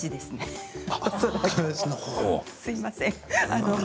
すいません。